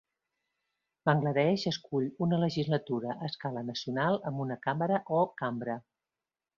Bangladesh escull una legislatura a escala nacional amb una càmera o cambra.